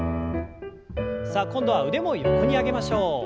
さあ今度は腕も横に上げましょう。